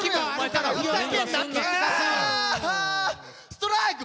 ストライク！